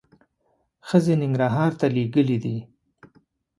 ښځې ننګرهار ته لېږلي دي.